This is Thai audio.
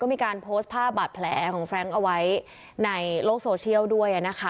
มีการโพสต์ภาพบาดแผลของแฟรงค์เอาไว้ในโลกโซเชียลด้วยนะคะ